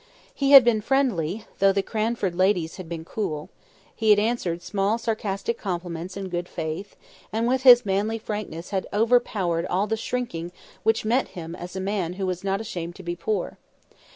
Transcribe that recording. He had been friendly, though the Cranford ladies had been cool; he had answered small sarcastic compliments in good faith; and with his manly frankness had overpowered all the shrinking which met him as a man who was not ashamed to be poor.